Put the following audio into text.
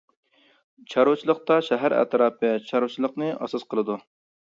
چارۋىچىلىقتا شەھەر ئەتراپى چارۋىچىلىقىنى ئاساس قىلىدۇ.